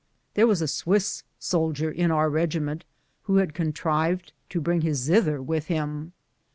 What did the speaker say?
There was a Swiss soldier in our rcgiment who had contrived to bring his zither with him.